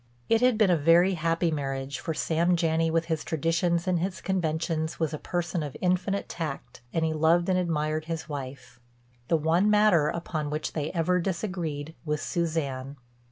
It had been a very happy marriage, for Sam Janney with his traditions and his conventions was a person of infinite tact, and he loved and admired his wife. The one matter upon which they ever disagreed was Suzanne.